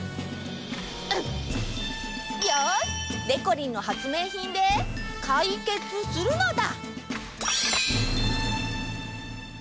うん！よし！でこりんの発明品でかいけつするのだ！